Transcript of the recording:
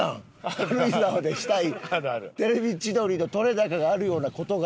軽井沢でしたい『テレビ千鳥』の撮れ高があるような事が。